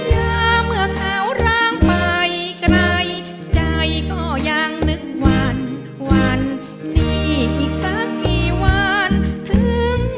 อย่าเหมือนเขาร่างไปไกลใจก็ยังนึกวันวันที่อีกสักกี่วันถึงมา